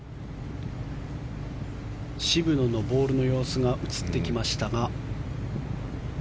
渋野のボールの様子が映ってきましたが。